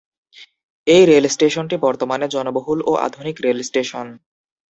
এই রেলস্টেশনটি বর্তমানে জনবহুল ও আধুনিক রেলস্টেশন।